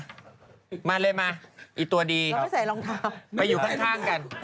เราไม่ใส่รองเท้า